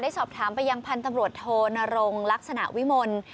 สอบถามไปยังพันธุ์ตำรวจโทนรงลักษณะวิมล